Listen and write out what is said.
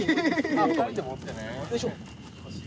２人で持ってね。